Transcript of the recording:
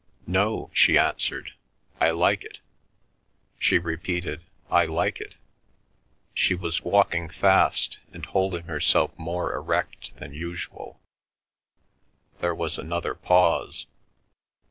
"No," she answered. "I like it." She repeated "I like it." She was walking fast, and holding herself more erect than usual. There was another pause.